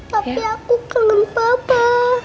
tapi aku kangen papa